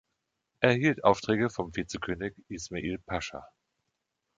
Er erhielt Aufträge vom Vizekönig Ismail Pascha.